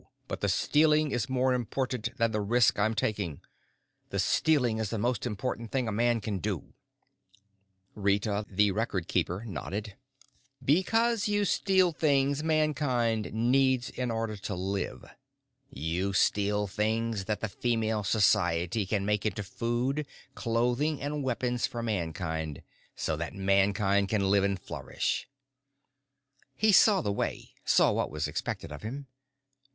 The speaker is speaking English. But the stealing is more important than the risk I'm taking. The stealing is the most important thing a man can do." Rita the Record Keeper nodded. "Because you steal things Mankind needs in order to live. You steal things that the Female Society can make into food, clothing and weapons for Mankind, so that Mankind can live and flourish." He saw the way, saw what was expected of him.